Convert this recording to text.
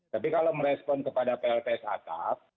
tapi kalau merespon kepada plts atap